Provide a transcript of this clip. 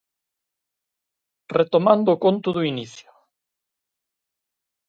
Retomando o conto do inicio.